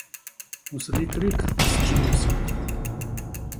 У селі крик зчинився.